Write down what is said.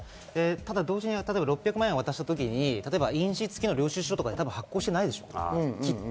ただ同時に６００万円を渡した時に印紙つきの領収書とか多分発行してないでしょ、きっと。